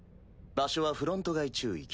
場所はフロント外宙域。